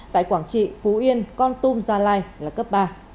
tại quảng trị phú yên con tum gia lai là cấp ba